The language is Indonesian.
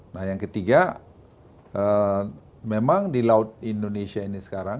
nah yang ketiga memang di laut indonesia ini sekarang